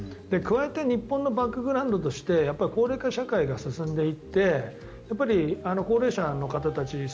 加えて日本のバッググラウンドとして高齢化社会が進んでいって高齢者の方たち